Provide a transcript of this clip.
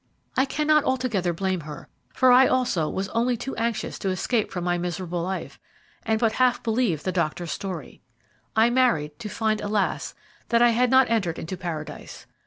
"I cannot altogether blame her, for I also was only too anxious to escape from my miserable life, and but half believed the doctor's story. "I married to find, alas, that I had not entered into Paradise.